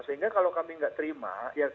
sehingga kalau kami nggak terima